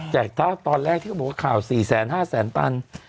แต่อีกทั้งตอนแรกที่เขาบอกว่าข่าว๔แสน๕แสนตัน